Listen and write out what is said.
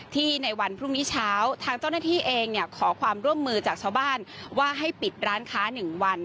ในวันพรุ่งนี้เช้าทางเจ้าหน้าที่เองขอความร่วมมือจากชาวบ้านว่าให้ปิดร้านค้า๑วัน